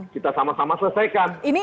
kita sama sama selesaikan